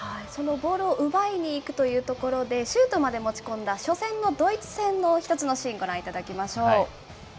そのボールを奪いに行くというところで、シュートまで持ち込んだ初戦のドイツ戦の一つのシーンご覧いただきましょう。